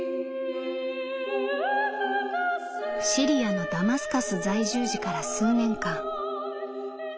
「シリアのダマスカス在住時から数年間私たち